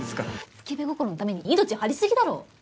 スケベ心のために命張りすぎだろ！